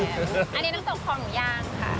อันนี้น้ำสบคอหมูย่างค่ะ